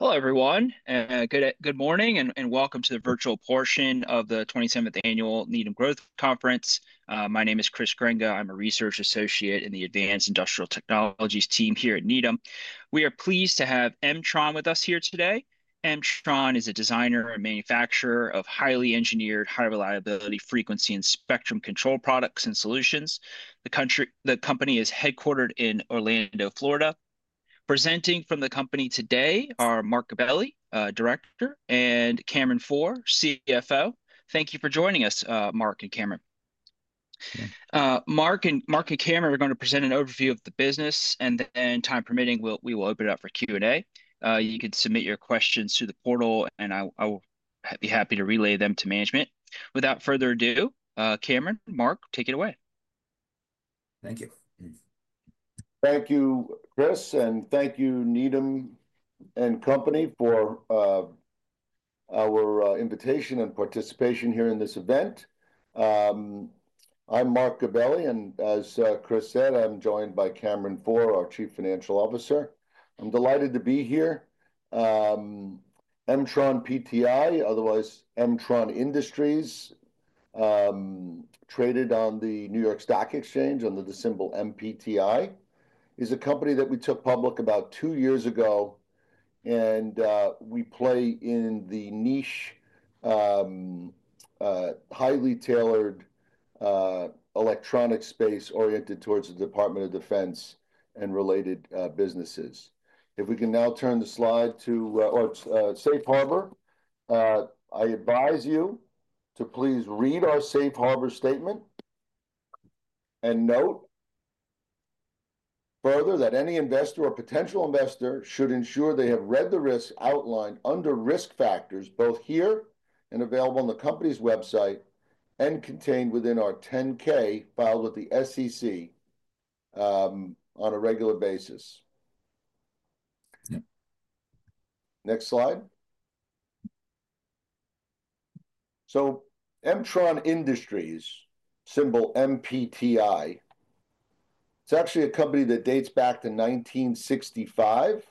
Hello, everyone. Good morning and welcome to the virtual portion of the 27th Annual Needham Growth Conference. My name is Chris Grenga. I'm a research associate in the Advanced Industrial Technologies team here at Needham. We are pleased to have Mtron with us here today. Mtron is a designer and manufacturer of highly engineered, high-reliability frequency and spectrum control products and solutions. The company is headquartered in Orlando, Florida. Presenting from the company today are Marc Gabelli, Director, and Cameron Pforr, CFO. Thank you for joining us, Marc and Cameron. Marc and Cameron are going to present an overview of the business, and then, time permitting, we will open it up for Q&A. You can submit your questions through the portal, and I will be happy to relay them to management. Without further ado, Cameron, Marc, take it away. Thank you. Thank you, Chris, and thank you, Needham & Company, for our invitation and participation here in this event. I'm Marc Gabelli, and as Chris said, I'm joined by Cameron Pforr, our Chief Financial Officer. I'm delighted to be here. MtronPTI, otherwise Mtron Industries, traded on the New York Stock Exchange under the symbol MPTI, is a company that we took public about two years ago, and we play in the niche, highly tailored electronics space oriented towards the Department of Defense and related businesses. If we can now turn the slide to, our Safe Harbor, I advise you to please read our Safe Harbor statement and note further that any investor or potential investor should ensure they have read the risk outlined under risk factors, both here and available on the company's website and contained within our 10-K filed with the SEC on a regular basis. Next slide. So Mtron Industries, symbol MPTI, it's actually a company that dates back to 1965.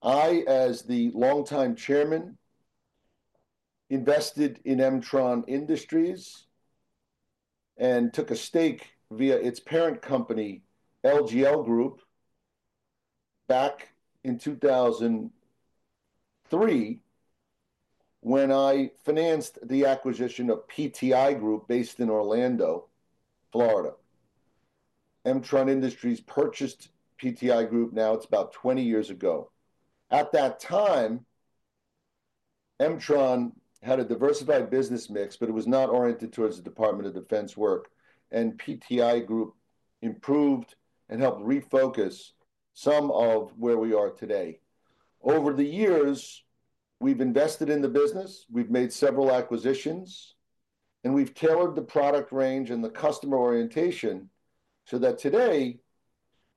I, as the longtime Chairman, invested in Mtron Industries and took a stake via its parent company, LGL Group, back in 2003 when I financed the acquisition of PTI Group based in Orlando, Florida. Mtron Industries purchased PTI Group now. It's about 20 years ago. At that time, Mtron had a diversified business mix, but it was not oriented towards the Department of Defense work, and PTI Group improved and helped refocus some of where we are today. Over the years, we've invested in the business, we've made several acquisitions, and we've tailored the product range and the customer orientation so that today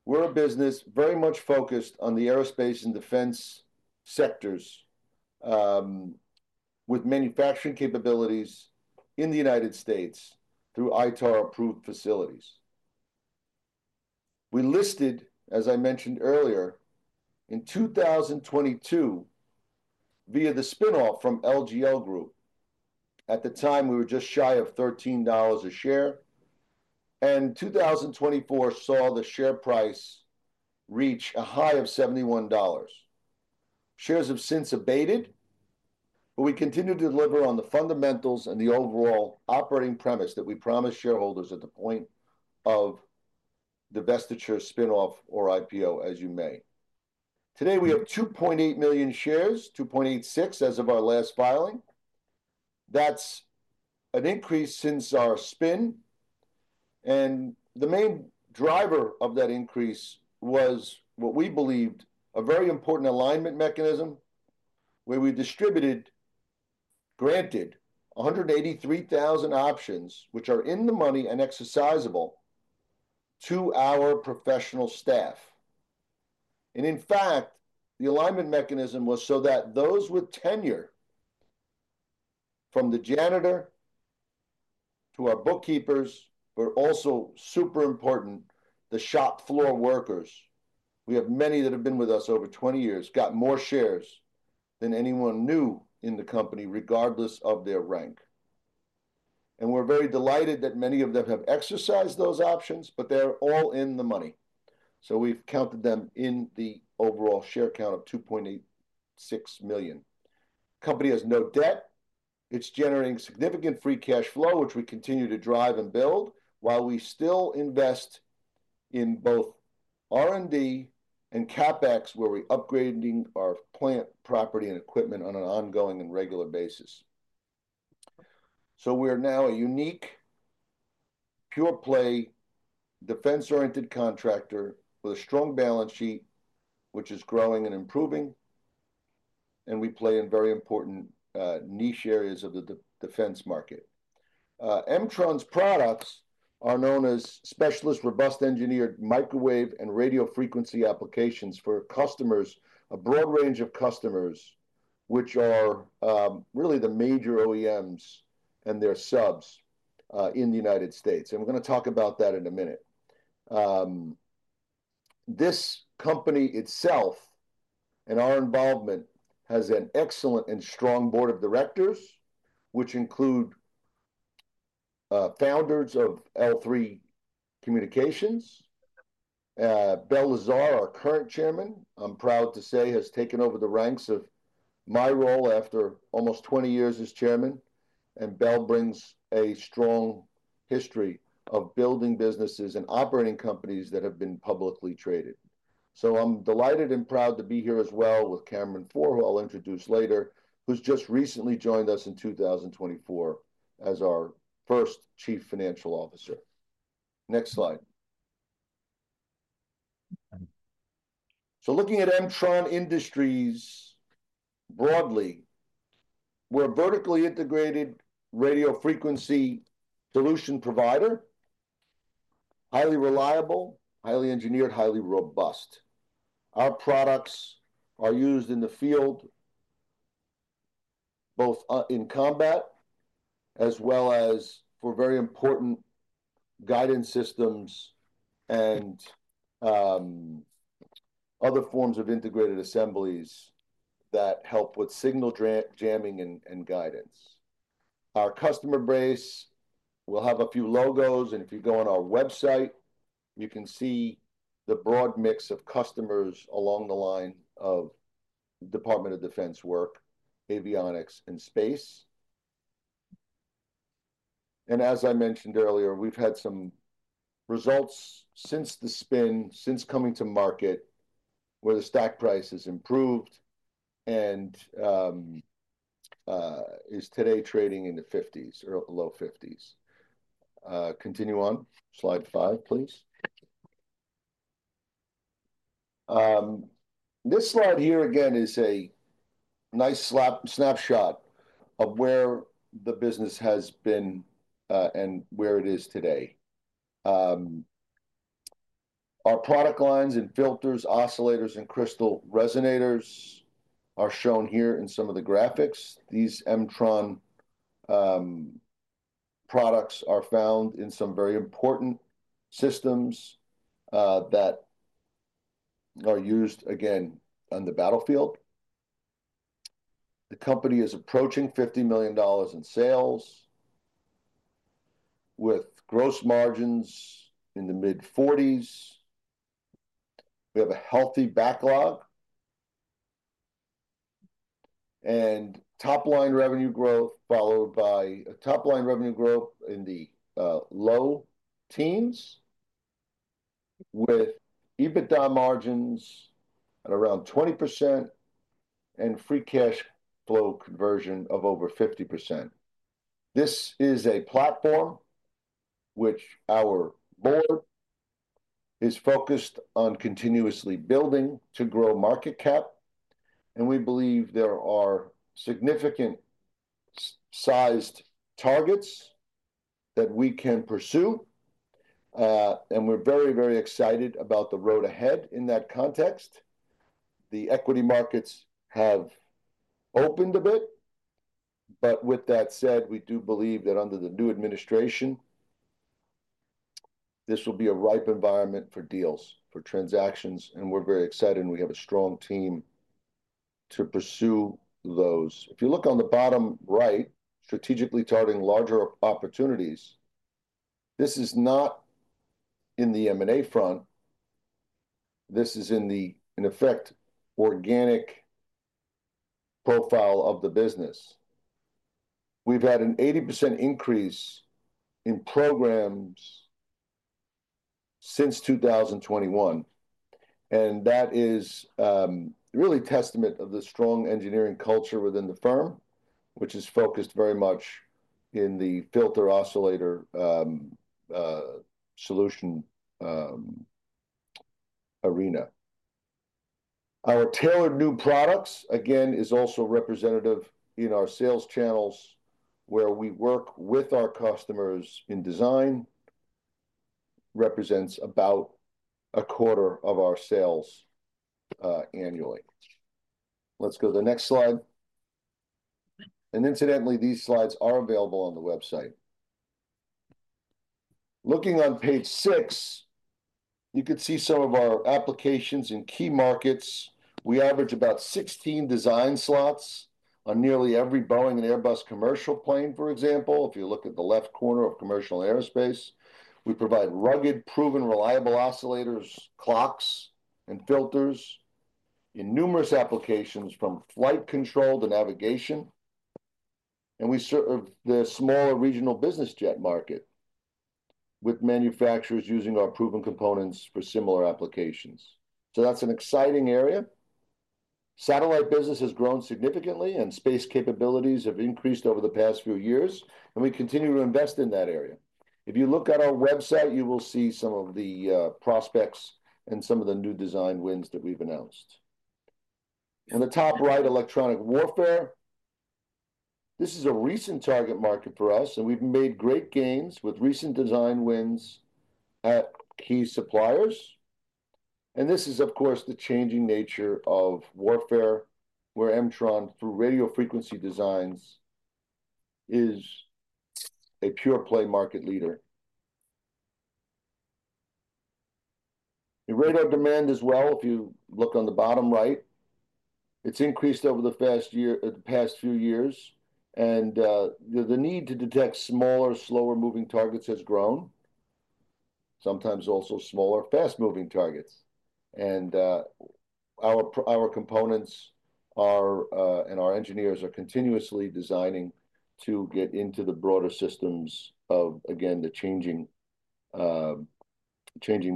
we're a business very much focused on the aerospace and defense sectors with manufacturing capabilities in the United States through ITAR-approved facilities. We listed, as I mentioned earlier, in 2022 via the spinoff from LGL Group. At the time, we were just shy of $13 a share, and 2024 saw the share price reach a high of $71. Shares have since abated, but we continue to deliver on the fundamentals and the overall operating premise that we promised shareholders at the point of divestiture, spinoff, or IPO, as you may. Today, we have 2.8 million shares, 2.86 as of our last filing. That's an increase since our spin, and the main driver of that increase was what we believed a very important alignment mechanism where we distributed, granted, 183,000 options, which are in the money and exercisable, to our professional staff. And in fact, the alignment mechanism was so that those with tenure, from the janitor to our bookkeepers, but also super important, the shop floor workers, we have many that have been with us over 20 years, got more shares than anyone new in the company, regardless of their rank. And we're very delighted that many of them have exercised those options, but they're all in the money. So we've counted them in the overall share count of 2.86 million. The company has no debt. It's generating significant free cash flow, which we continue to drive and build while we still invest in both R&D and CapEx, where we're upgrading our plant property and equipment on an ongoing and regular basis. We're now a unique, pure-play, defense-oriented contractor with a strong balance sheet, which is growing and improving, and we play in very important niche areas of the defense market. Mtron's products are known as specialist robust engineered microwave and radio frequency applications for customers, a broad range of customers, which are really the major OEMs and their subs in the United States. We're going to talk about that in a minute. This company itself and our involvement has an excellent and strong board of directors, which include founders of L3 Communications. Bel Lazar, our current Chairman, I'm proud to say, has taken over the reins of my role after almost 20 years as chairman, and Bel brings a strong history of building businesses and operating companies that have been publicly traded. So I'm delighted and proud to be here as well with Cameron Pforr, who I'll introduce later, who's just recently joined us in 2024 as our first Chief Financial Officer. Next slide. So looking at Mtron Industries broadly, we're a vertically integrated radio frequency solution provider, highly reliable, highly engineered, highly robust. Our products are used in the field, both in combat as well as for very important guidance systems and other forms of integrated assemblies that help with signal jamming and guidance. Our customer base will have a few logos, and if you go on our website, you can see the broad mix of customers along the line of Department of Defense work, avionics, and space. And as I mentioned earlier, we've had some results since the spin, since coming to market, where the stock price has improved and is today trading in the 50s or below 50s. Continue on. Slide five, please. This slide here again is a nice snapshot of where the business has been and where it is today. Our product lines and filters, oscillators, and crystal resonators are shown here in some of the graphics. These Mtron products are found in some very important systems that are used again on the battlefield. The company is approaching $50 million in sales, with gross margins in the mid-40s. We have a healthy backlog and top-line revenue growth, followed by a top-line revenue growth in the low teens, with EBITDA margins at around 20% and free cash flow conversion of over 50%. This is a platform which our board is focused on continuously building to grow market cap, and we believe there are significant-sized targets that we can pursue, and we're very, very excited about the road ahead in that context. The equity markets have opened a bit, but with that said, we do believe that under the new administration, this will be a ripe environment for deals, for transactions, and we're very excited, and we have a strong team to pursue those. If you look on the bottom right, strategically targeting larger opportunities, this is not in the M&A front. This is in the, in effect, organic profile of the business. We've had an 80% increase in programs since 2021, and that is really a testament to the strong engineering culture within the firm, which is focused very much in the filter oscillator solution arena. Our tailored new products, again, are also representative in our sales channels, where we work with our customers in design, represents about a quarter of our sales annually. Let's go to the next slide, and incidentally, these slides are available on the website. Looking on page six, you could see some of our applications in key markets. We average about 16 design slots on nearly every Boeing and Airbus commercial plane, for example. If you look at the left corner of commercial and aerospace, we provide rugged, proven, reliable oscillators, clocks, and filters in numerous applications from flight control to navigation, and we serve the smaller regional business jet market with manufacturers using our proven components for similar applications. So that's an exciting area. Satellite business has grown significantly, and space capabilities have increased over the past few years, and we continue to invest in that area. If you look at our website, you will see some of the prospects and some of the new design wins that we've announced. On the top right, electronic warfare. This is a recent target market for us, and we've made great gains with recent design wins at key suppliers, and this is, of course, the changing nature of warfare, where Mtron, through radio frequency designs, is a pure-play market leader. The radar demand as well, if you look on the bottom right, it's increased over the past few years, and the need to detect smaller, slower-moving targets has grown, sometimes also smaller, fast-moving targets, and our components and our engineers are continuously designing to get into the broader systems of, again, the changing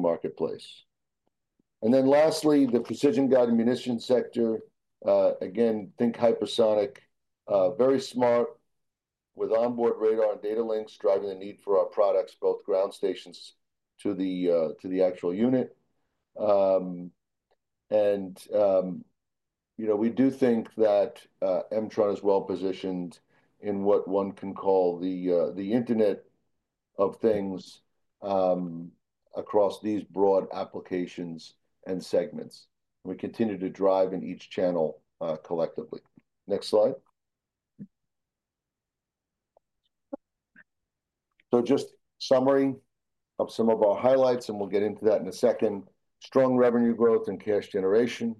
marketplace, and then lastly, the precision-guided munitions sector, again, think hypersonic, very smart with onboard radar and data links driving the need for our products, both ground stations to the actual unit, and we do think that Mtron is well positioned in what one can call the Internet of Things across these broad applications and segments. We continue to drive in each channel collectively. Next slide. So, just a summary of some of our highlights, and we'll get into that in a second. Strong revenue growth and cash generation,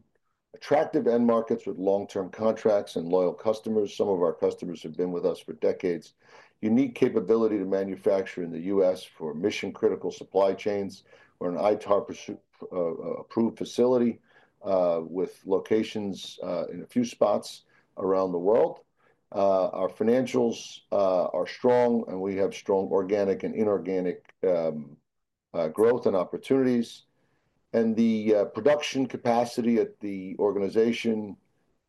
attractive end markets with long-term contracts and loyal customers. Some of our customers have been with us for decades. Unique capability to manufacture in the U.S. for mission-critical supply chains. We're an ITAR-approved facility with locations in a few spots around the world. Our financials are strong, and we have strong organic and inorganic growth and opportunities. And the production capacity at the organization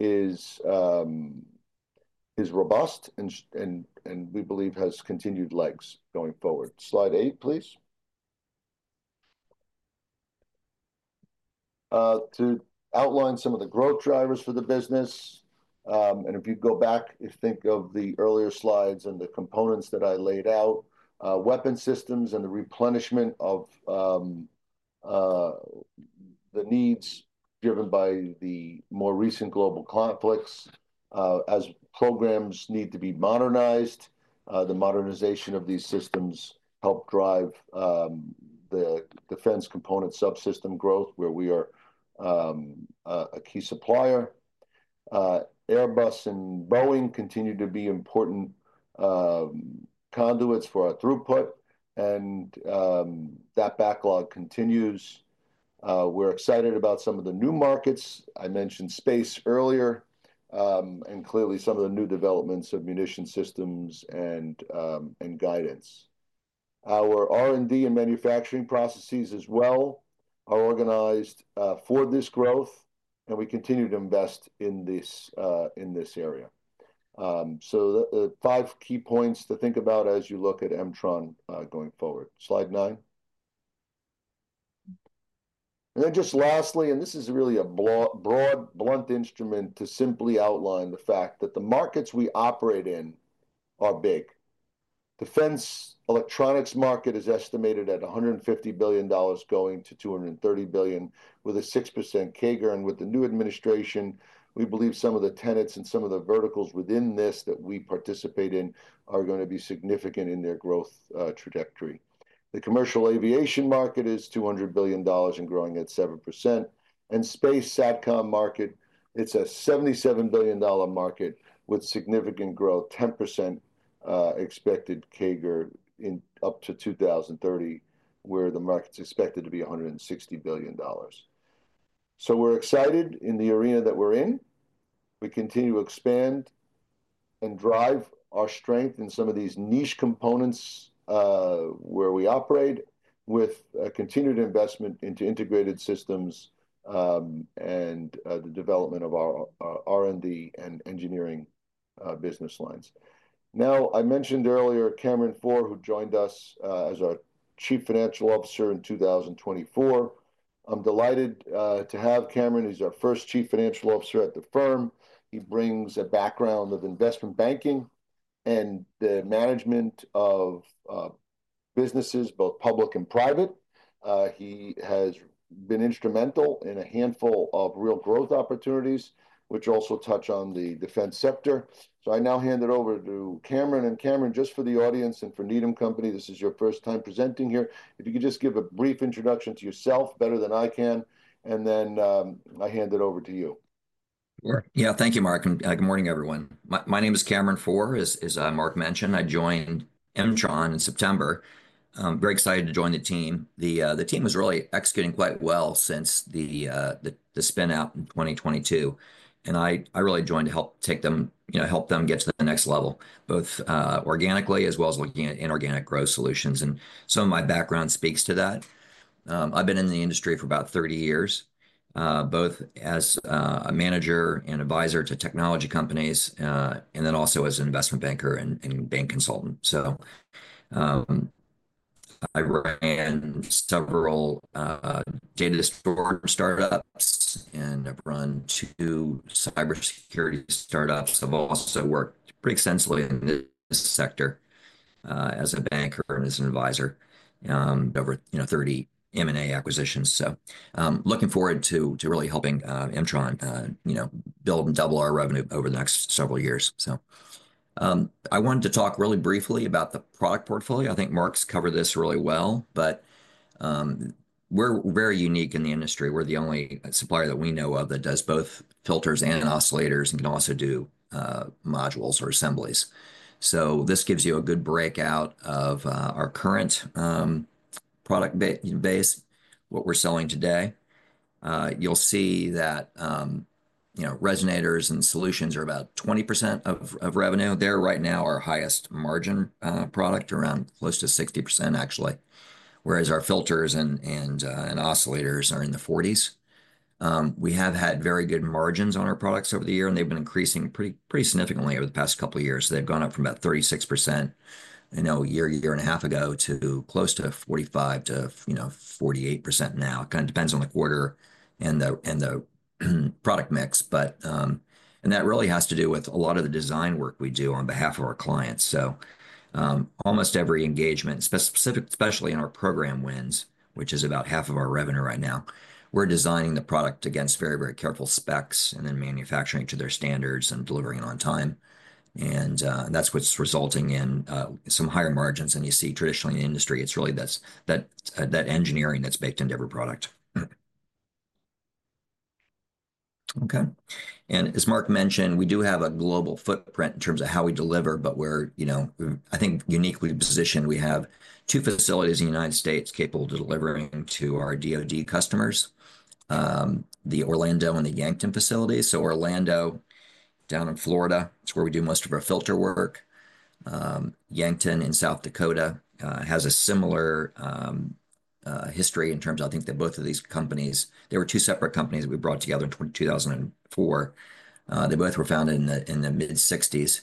is robust, and we believe has continued legs going forward. Slide eight, please. To outline some of the growth drivers for the business, and if you go back, if you think of the earlier slides and the components that I laid out, weapon systems and the replenishment of the needs driven by the more recent global conflicts as programs need to be modernized. The modernization of these systems helped drive the defense component subsystem growth, where we are a key supplier. Airbus and Boeing continue to be important conduits for our throughput, and that backlog continues. We're excited about some of the new markets. I mentioned space earlier, and clearly some of the new developments of munition systems and guidance. Our R&D and manufacturing processes as well are organized for this growth, and we continue to invest in this area, so the five key points to think about as you look at Mtron going forward. Slide nine. And then just lastly, and this is really a broad, blunt instrument to simply outline the fact that the markets we operate in are big. Defense electronics market is estimated at $150 billion going to $230 billion, with a 6% CAGR. And with the new administration, we believe some of the tenets and some of the verticals within this that we participate in are going to be significant in their growth trajectory. The commercial aviation market is $200 billion and growing at 7%. And space, satcom market, it's a $77 billion market with significant growth, 10% expected CAGR up to 2030, where the market's expected to be $160 billion. So we're excited in the arena that we're in. We continue to expand and drive our strength in some of these niche components where we operate with continued investment into integrated systems and the development of our R&D and engineering business lines. Now, I mentioned earlier Cameron Pforr, who joined us as our Chief Financial Officer in 2024. I'm delighted to have Cameron. He's our first Chief Financial Officer at the firm. He brings a background of investment banking and the management of businesses, both public and private. He has been instrumental in a handful of real growth opportunities, which also touch on the defense sector, so I now hand it over to Cameron, and Cameron, just for the audience and for Needham & Company, this is your first time presenting here. If you could just give a brief introduction to yourself better than I can, and then I hand it over to you. Sure. Yeah. Thank you, Marc. Good morning, everyone. My name is Cameron Pforr, as Marc mentioned. I joined Mtron in September. Very excited to join the team. The team was really executing quite well since the spin-out in 2022. I really joined to help take them, help them get to the next level, both organically as well as looking at inorganic growth solutions. Some of my background speaks to that. I've been in the industry for about 30 years, both as a manager and advisor to technology companies, and then also as an investment banker and bank consultant. I ran several data storage startups and have run two cybersecurity startups. I've also worked pretty extensively in this sector as a banker and as an advisor over 30 M&A acquisitions. Looking forward to really helping Mtron build and double our revenue over the next several years. So I wanted to talk really briefly about the product portfolio. I think Marc's covered this really well, but we're very unique in the industry. We're the only supplier that we know of that does both filters and oscillators and can also do modules or assemblies. So this gives you a good breakout of our current product base, what we're selling today. You'll see that resonators and solutions are about 20% of revenue. They're right now our highest margin product, around close to 60%, actually, whereas our filters and oscillators are in the 40s. We have had very good margins on our products over the year, and they've been increasing pretty significantly over the past couple of years. They've gone up from about 36% a year, year and a half ago to close to 45%-48% now. It kind of depends on the quarter and the product mix. And that really has to do with a lot of the design work we do on behalf of our clients. So almost every engagement, especially in our program wins, which is about half of our revenue right now, we're designing the product against very, very careful specs and then manufacturing to their standards and delivering it on time. And that's what's resulting in some higher margins than you see traditionally in the industry. It's really that engineering that's baked into every product. Okay. And as Marc mentioned, we do have a global footprint in terms of how we deliver, but we're, I think, uniquely positioned. We have two facilities in the United States capable of delivering to our DoD customers, the Orlando and the Yankton facilities. So Orlando, down in Florida, it's where we do most of our filter work. Yankton in South Dakota has a similar history in terms of, I think, that both of these companies, they were two separate companies that we brought together in 2004. They both were founded in the mid-60s.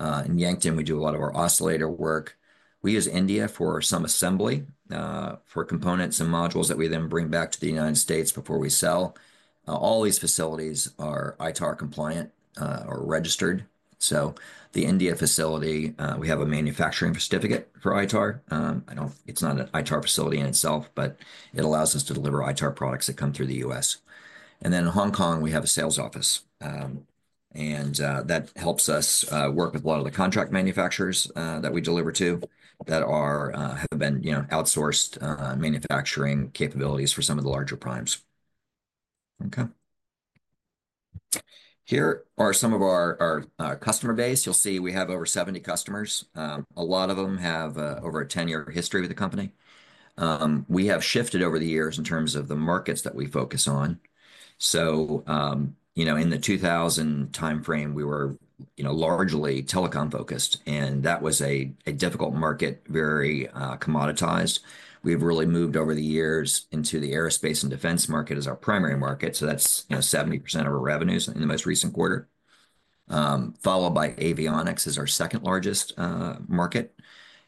In Yankton, we do a lot of our oscillator work. We use India for some assembly for components and modules that we then bring back to the United States before we sell. All these facilities are ITAR compliant or registered. So the India facility, we have a manufacturing certificate for ITAR. It's not an ITAR facility in itself, but it allows us to deliver ITAR products that come through the U.S. And then in Hong Kong, we have a sales office. And that helps us work with a lot of the contract manufacturers that we deliver to that have been outsourced manufacturing capabilities for some of the larger primes. Okay. Here are some of our customer base. You'll see we have over 70 customers. A lot of them have over a 10-year history with the company. We have shifted over the years in terms of the markets that we focus on. So, in the 2000 timeframe, we were largely telecom-focused, and that was a difficult market, very commoditized. We have really moved over the years into the aerospace and defense market as our primary market. So, that's 70% of our revenues in the most recent quarter, followed by avionics as our second largest market.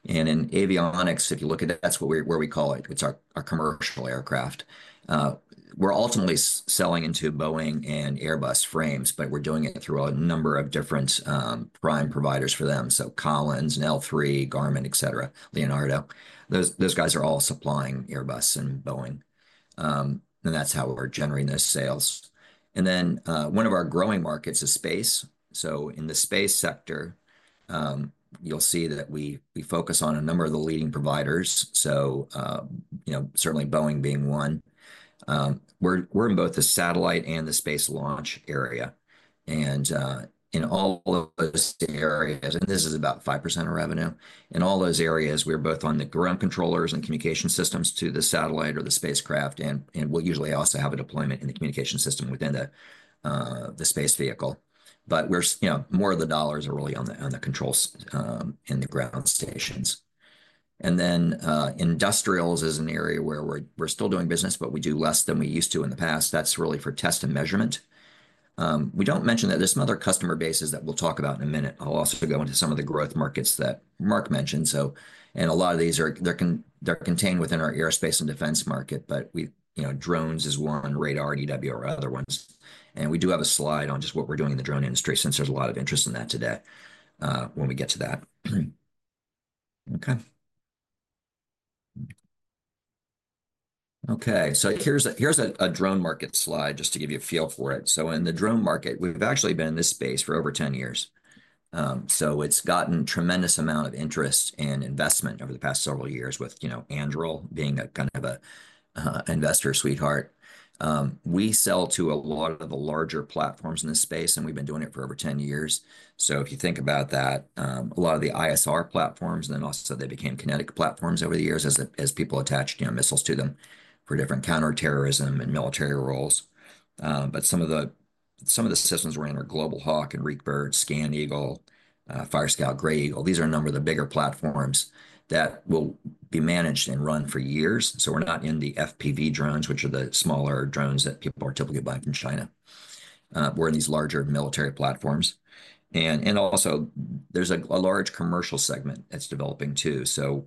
And in avionics, if you look at that, that's where we call it. It's our commercial aircraft. We're ultimately selling into Boeing and Airbus frames, but we're doing it through a number of different prime providers for them. So, Collins and L3, Garmin, et cetera, Leonardo. Those guys are all supplying Airbus and Boeing. And that's how we're generating those sales. And then one of our growing markets is space. So in the space sector, you'll see that we focus on a number of the leading providers. So certainly Boeing being one. We're in both the satellite and the space launch area. And in all of those areas, and this is about 5% of revenue. In all those areas, we're both on the ground controllers and communication systems to the satellite or the spacecraft. And we'll usually also have a deployment in the communication system within the space vehicle. But more of the dollars are really on the controls in the ground stations. And then industrials is an area where we're still doing business, but we do less than we used to in the past. That's really for test and measurement. We don't mention that there's some other customer bases that we'll talk about in a minute. I'll also go into some of the growth markets that Marc mentioned and a lot of these are contained within our aerospace and defense market, but drones is one, radar, EWR, other ones, and we do have a slide on just what we're doing in the drone industry since there's a lot of interest in that today when we get to that. Okay. Okay. So here's a drone market slide just to give you a feel for it. So in the drone market, we've actually been in this space for over 10 years. So it's gotten a tremendous amount of interest and investment over the past several years with Anduril being kind of an investor sweetheart. We sell to a lot of the larger platforms in this space, and we've been doing it for over 10 years, so if you think about that, a lot of the ISR platforms, and then also they became kinetic platforms over the years as people attached missiles to them for different counterterrorism and military roles, but some of the systems we're in are Global Hawk and Reaper, ScanEagle, Fire Scout, Gray Eagle. These are a number of the bigger platforms that will be managed and run for years, so we're not in the FPV drones, which are the smaller drones that people are typically buying from China. We're in these larger military platforms, and also, there's a large commercial segment that's developing too. So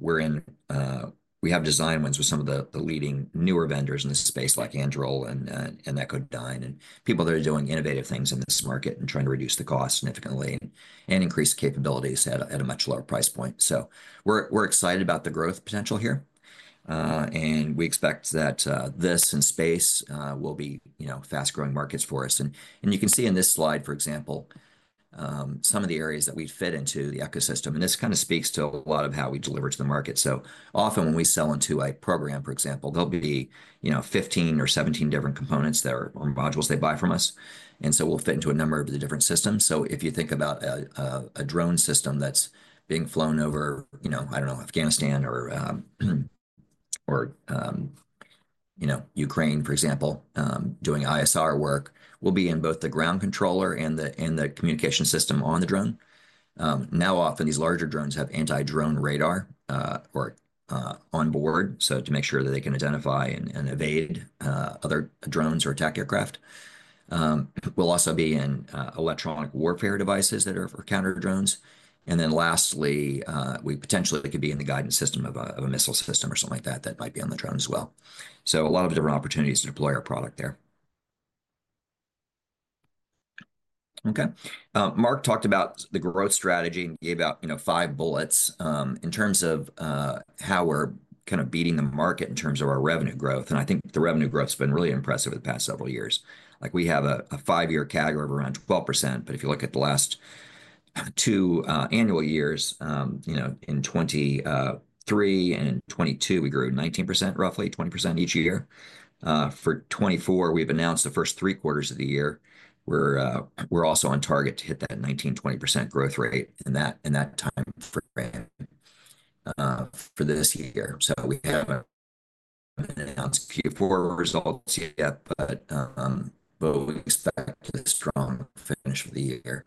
we have design wins with some of the leading newer vendors in this space like Anduril and Echodyne and people that are doing innovative things in this market and trying to reduce the cost significantly and increase capabilities at a much lower price point. So we're excited about the growth potential here. And we expect that defense and space will be fast-growing markets for us. And you can see in this slide, for example, some of the areas that we fit into the ecosystem. And this kind of speaks to a lot of how we deliver to the market. So often when we sell into a program, for example, there'll be 15 or 17 different components or modules they buy from us. And so we'll fit into a number of the different systems. If you think about a drone system that's being flown over, I don't know, Afghanistan or Ukraine, for example, doing ISR work, we'll be in both the ground controller and the communication system on the drone. Now, often these larger drones have anti-drone radar on board to make sure that they can identify and evade other drones or attack aircraft. We'll also be in electronic warfare devices that are for counter drones. And then lastly, we potentially could be in the guidance system of a missile system or something like that that might be on the drone as well. So a lot of different opportunities to deploy our product there. Okay. Marc talked about the growth strategy and gave out five bullets in terms of how we're kind of beating the market in terms of our revenue growth. I think the revenue growth has been really impressive over the past several years. We have a five-year CAGR of around 12%. If you look at the last two annual years, in 2023 and 2022, we grew 19%, roughly 20% each year. For 2024, we've announced the first three quarters of the year. We're also on target to hit that 19%-20% growth rate in that time frame for this year. We haven't announced Q4 results yet, but we expect a strong finish for the year.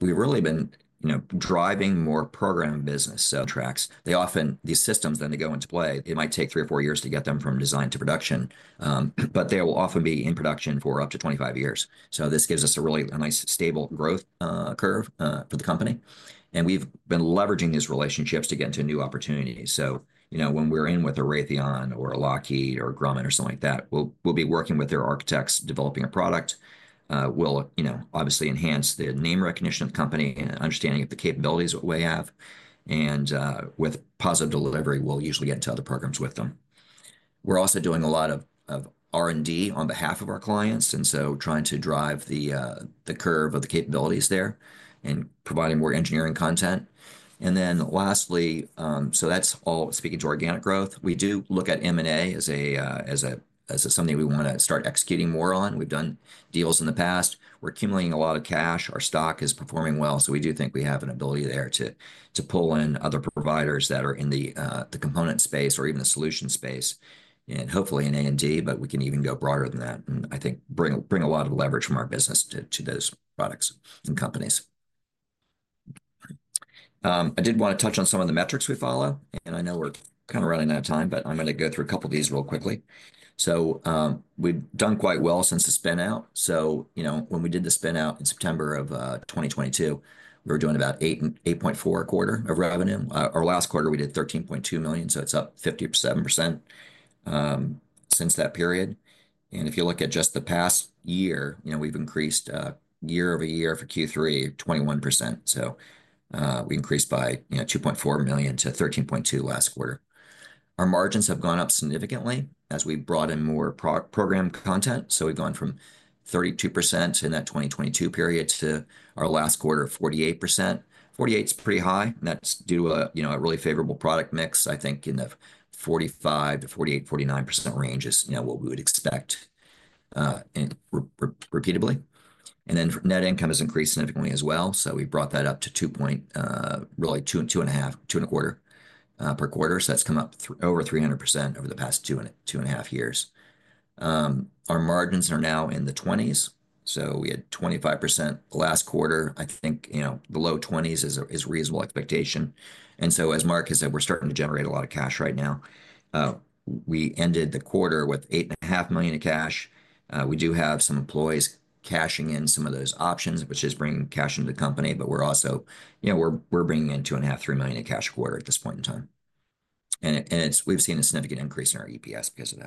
We've really been driving more program business. Contracts. These systems, when they go into play, it might take three or four years to get them from design to production, but they will often be in production for up to 25 years. This gives us a really nice stable growth curve for the company. And we've been leveraging these relationships to get into new opportunities. So when we're in with a Raytheon or a Lockheed or a Grumman or something like that, we'll be working with their architects developing a product. We'll obviously enhance the name recognition of the company and understanding of the capabilities that we have. And with positive delivery, we'll usually get into other programs with them. We're also doing a lot of R&D on behalf of our clients. And so trying to drive the curve of the capabilities there and providing more engineering content. And then lastly, so that's all speaking to organic growth. We do look at M&A as something we want to start executing more on. We've done deals in the past. We're accumulating a lot of cash. Our stock is performing well. We do think we have an ability there to pull in other providers that are in the component space or even the solution space, and hopefully in A&D, but we can even go broader than that and I think bring a lot of leverage from our business to those products and companies. I did want to touch on some of the metrics we follow. I know we're kind of running out of time, but I'm going to go through a couple of these real quickly. We've done quite well since the spin-out. When we did the spin-out in September of 2022, we were doing about $8.4 million a quarter of revenue. Our last quarter, we did $13.2 million. It's up 57% since that period. If you look at just the past year, we've increased year over year for Q3, 21%. We increased by $2.4 million to $13.2 million last quarter. Our margins have gone up significantly as we brought in more program content. We've gone from 32% in that 2022 period to our last quarter, 48%. 48% is pretty high. That's due to a really favorable product mix, I think, in the 45%-49% range is what we would expect repeatedly. Net income has increased significantly as well. We brought that up to $2.25 million, $2.25 million per quarter. That's come up over 300% over the past two and a half years. Our margins are now in the 20s. We had 25% last quarter. I think the low 20s is a reasonable expectation. As Mark has said, we're starting to generate a lot of cash right now. We ended the quarter with $8.5 million in cash. We do have some employees cashing in some of those options, which is bringing cash into the company, but we're also bringing in $2.5 million-$3 million in cash a quarter at this point in time, and we've seen a significant increase in our EPS because of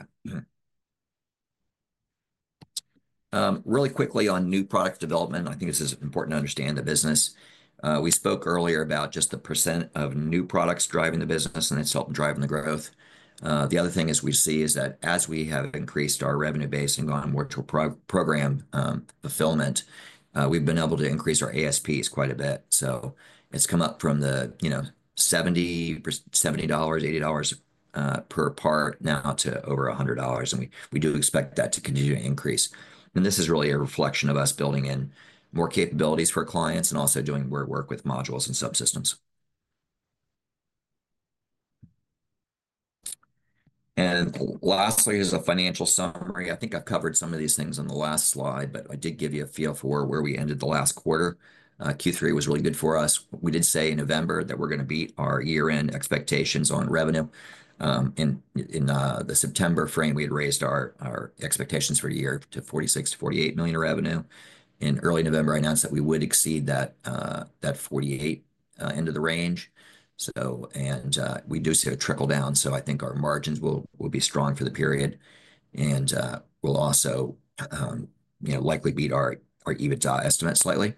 that. Really quickly on new product development, I think this is important to understand the business. We spoke earlier about just the % of new products driving the business, and that's helped drive the growth. The other thing we see is that as we have increased our revenue base and gone more toward program fulfillment, we've been able to increase our ASPs quite a bit, so it's come up from the $70-$80 per part now to over $100, and we do expect that to continue to increase. This is really a reflection of us building in more capabilities for clients and also doing more work with modules and subsystems. Lastly, here's a financial summary. I think I've covered some of these things on the last slide, but I did give you a feel for where we ended the last quarter. Q3 was really good for us. We did say in November that we're going to beat our year-end expectations on revenue. In the September frame, we had raised our expectations for a year to $46 million-$48 million revenue. In early November, I announced that we would exceed that $48 million into the range. And we do see a trickle down. So I think our margins will be strong for the period. And we'll also likely beat our EBITDA estimate slightly.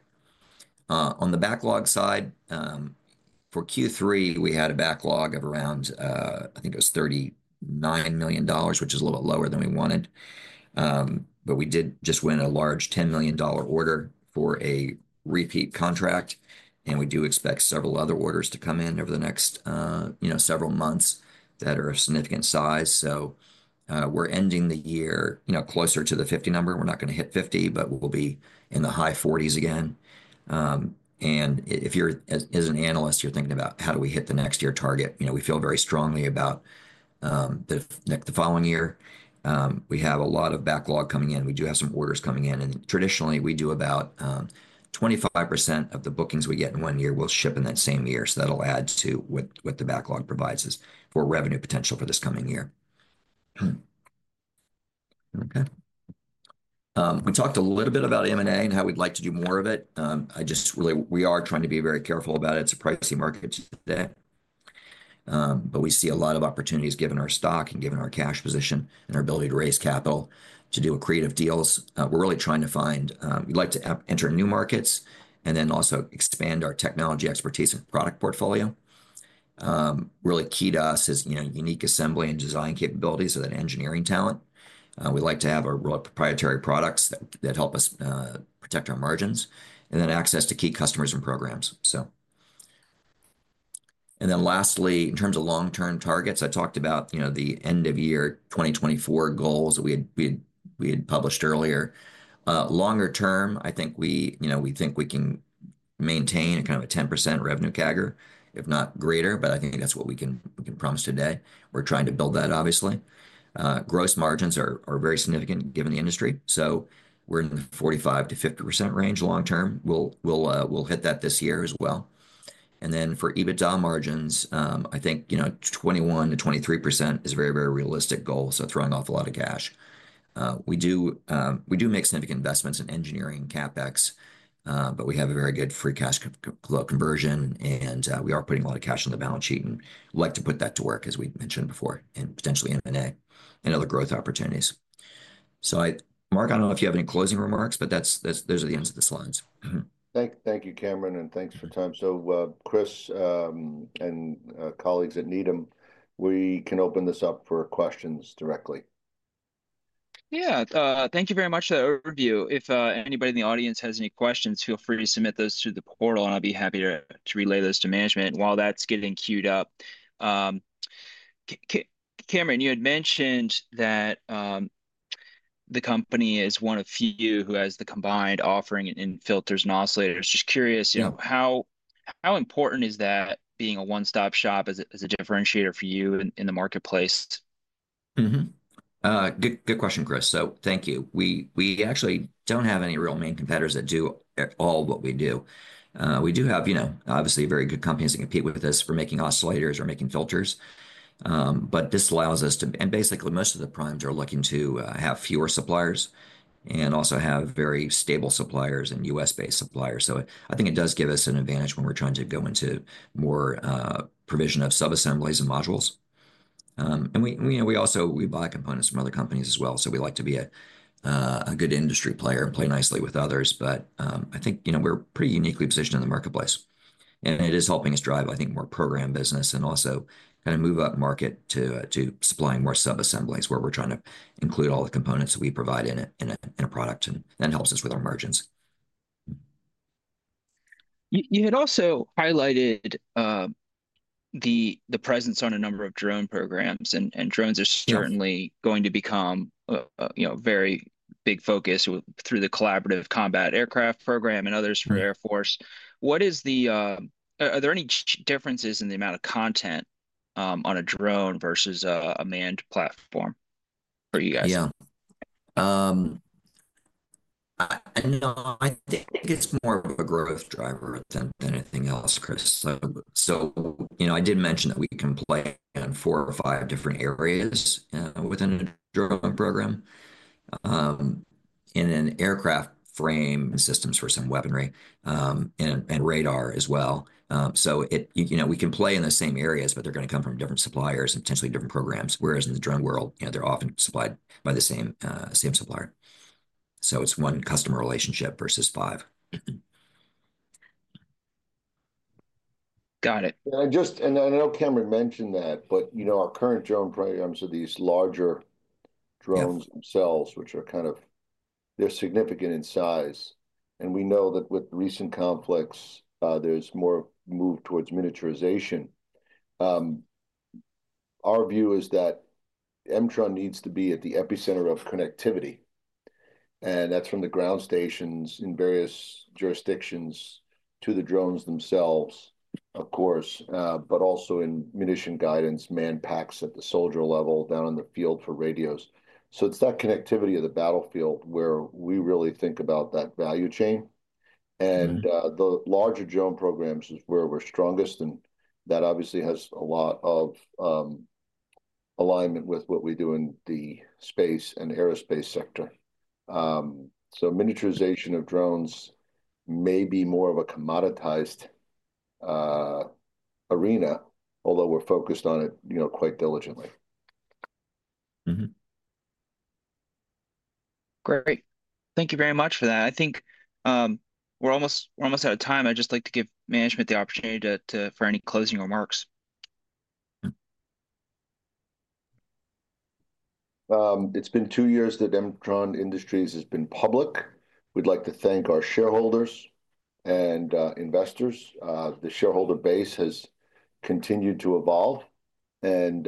On the backlog side, for Q3, we had a backlog of around, I think it was $39 million, which is a little bit lower than we wanted, but we did just win a large $10 million order for a repeat contract, and we do expect several other orders to come in over the next several months that are of significant size, so we're ending the year closer to the 50 number. We're not going to hit 50, but we'll be in the high 40s again, and if you're as an analyst, you're thinking about how do we hit the next year target. We feel very strongly about the following year. We have a lot of backlog coming in. We do have some orders coming in, and traditionally, we do about 25% of the bookings we get in one year, we'll ship in that same year. So that'll add to what the backlog provides us for revenue potential for this coming year. Okay. We talked a little bit about M&A and how we'd like to do more of it. We are trying to be very careful about it. It's a pricey market today. But we see a lot of opportunities given our stock and given our cash position and our ability to raise capital to do creative deals. We're really trying to find we'd like to enter new markets and then also expand our technology expertise and product portfolio. Really key to us is unique assembly and design capabilities of that engineering talent. We'd like to have our proprietary products that help us protect our margins and then access to key customers and programs. And then lastly, in terms of long-term targets, I talked about the end-of-year 2024 goals that we had published earlier. Longer term, I think we think we can maintain kind of a 10% revenue CAGR, if not greater, but I think that's what we can promise today. We're trying to build that, obviously. Gross margins are very significant given the industry. So we're in the 45%-50% range long-term. We'll hit that this year as well. Then for EBITDA margins, I think 21%-23% is a very, very realistic goal. So throwing off a lot of cash. We do make significant investments in engineering and CapEx, but we have a very good free cash flow conversion, and we are putting a lot of cash on the balance sheet and like to put that to work, as we mentioned before, and potentially M&A and other growth opportunities. So Marc, I don't know if you have any closing remarks, but those are the ends of the slides. Thank you, Cameron, and thanks for your time. So Chris and colleagues at Needham, we can open this up for questions directly. Yeah. Thank you very much for that overview. If anybody in the audience has any questions, feel free to submit those through the portal, and I'll be happy to relay those to management while that's getting queued up. Cameron, you had mentioned that the company is one of few who has the combined offering in filters and oscillators. Just curious, how important is that being a one-stop shop as a differentiator for you in the marketplace? Good question, Chris. So thank you. We actually don't have any real main competitors that do at all what we do. We do have, obviously, very good companies that compete with us for making oscillators or making filters. But this allows us to, and basically, most of the primes are looking to have fewer suppliers and also have very stable suppliers and U.S.-based suppliers. So I think it does give us an advantage when we're trying to go into more provision of sub-assemblies and modules. And we buy components from other companies as well. So we like to be a good industry player and play nicely with others. But I think we're pretty uniquely positioned in the marketplace. And it is helping us drive, I think, more program business and also kind of move up market to supplying more sub-assemblies where we're trying to include all the components that we provide in a product and that helps us with our margins. You had also highlighted the presence on a number of drone programs, and drones are certainly going to become a very big focus through the Collaborative Combat Aircraft Program and others for the Air Force. Are there any differences in the amount of content on a drone versus a manned platform for you guys? Yeah. I think it's more of a growth driver than anything else, Chris. So I did mention that we can play in four or five different areas within a drone program in an aircraft frame and systems for some weaponry and radar as well. So we can play in the same areas, but they're going to come from different suppliers and potentially different programs, whereas in the drone world, they're often supplied by the same supplier. So it's one customer relationship versus five. Got it. And I know Cameron mentioned that, but our current drone programs are these larger drones themselves, which are kind of, they're significant in size. And we know that with recent conflicts, there's more move towards miniaturization. Our view is that Mtron needs to be at the epicenter of connectivity. And that's from the ground stations in various jurisdictions to the drones themselves, of course, but also in munition guidance, manpacks at the soldier level down in the field for radios. So it's that connectivity of the battlefield where we really think about that value chain. And the larger drone programs is where we're strongest. And that obviously has a lot of alignment with what we do in the space and aerospace sector. So miniaturization of drones may be more of a commoditized arena, although we're focused on it quite diligently. Great. Thank you very much for that. I think we're almost out of time. I'd just like to give management the opportunity for any closing remarks. It's been two years that Mtron Industries has been public. We'd like to thank our shareholders and investors. The shareholder base has continued to evolve. And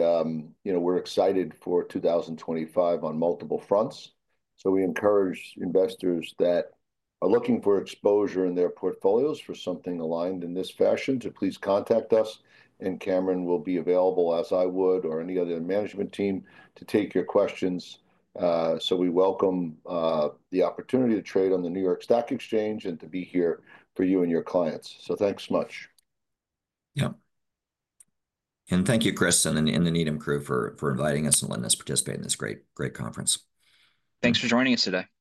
we're excited for 2025 on multiple fronts. So we encourage investors that are looking for exposure in their portfolios for something aligned in this fashion to please contact us. And Cameron will be available, as I would, or any other management team to take your questions. So we welcome the opportunity to trade on the New York Stock Exchange and to be here for you and your clients. So thanks so much. Yeah. And thank you, Chris, and the Needham crew for inviting us and letting us participate in this great conference. Thanks for joining us today.